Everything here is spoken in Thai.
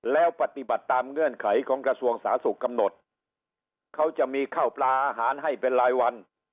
แล้วปฏิบัติตามเงื่อนไขของกระทรวงสาธารณสุขกำหนดเขาจะมีข้าวปลาอาหารให้เป็นรายวัน